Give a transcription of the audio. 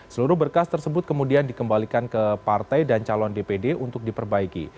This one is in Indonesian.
seluruh berkas tersebut kemudian dikembalikan ke partai dan calon dpd untuk diperbaiki